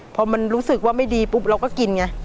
พอมันรู้สึกว่าไม่ดีปุ๊บเราก็กินไง